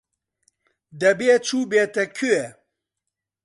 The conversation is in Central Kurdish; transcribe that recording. دەبێ چووبێتە کوێ.